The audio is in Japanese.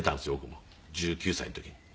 もう１９歳の時に。